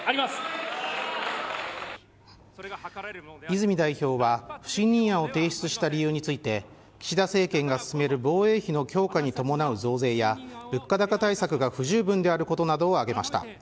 泉代表は不信任案を提出した理由について岸田政権が進める防衛費の強化に伴う増税や物価高対策が不十分であることを挙げました。